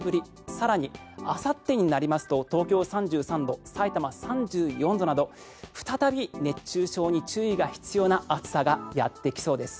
更にあさってになりますと東京３３度さいたま３４度など再び熱中症に注意が必要な暑さがやってきそうです。